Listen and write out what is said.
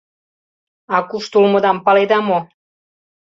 — А кушто улмыдам паледа мо?